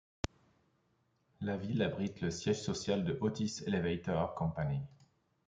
La ville abrite le siège social de Otis Elevator Company.